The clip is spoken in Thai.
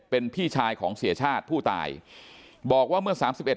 เป็นพี่ชายของเสียชาติผู้ตายบอกว่าเมื่อสามสิบเอ็